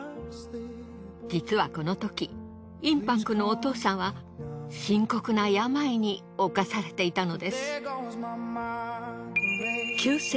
実はこのときインパン君のお父さんは深刻な病に侵されていたのです。